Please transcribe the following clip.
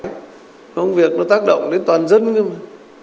nói không việc nó tác động đến toàn dân cơ mà